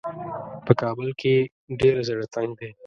په کابل کې یې ډېر زړه تنګ دی.